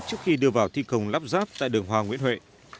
trước khi đưa vào thi công lắp ráp tại đường hoa nguyễn huệ